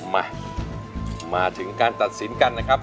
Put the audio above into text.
มามาถึงการตัดสินกันนะครับ